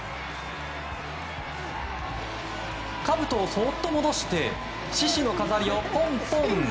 かぶとをそっと戻して獅子の飾りをポンポン。